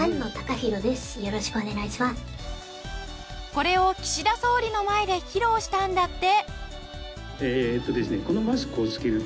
これを岸田総理の前で披露したんだって。